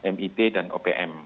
mit dan opm